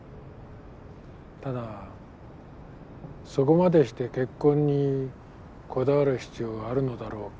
ただそこまでして結婚にこだわる必要があるのだろうかって。